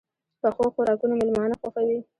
پخو خوراکونو مېلمانه خوښوي